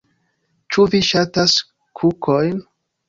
Ĉu vi ŝatas kukojn?